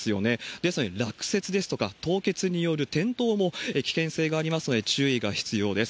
ですので、落雪ですとか凍結による転倒も危険性がありますので、注意が必要です。